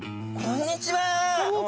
こんにちは。